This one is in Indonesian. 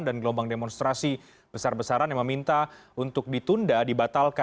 dan gelombang demonstrasi besar besaran yang meminta untuk ditunda dibatalkan